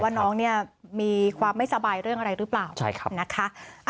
น้องเนี่ยมีความไม่สบายเรื่องอะไรหรือเปล่านะคะ